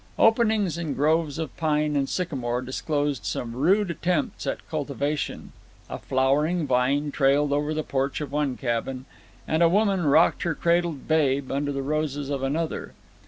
Openings in groves of pine and sycamore disclosed some rude attempts at cultivation a flowering vine trailed over the porch of one cabin, and a woman rocked her cradled babe under the roses of another.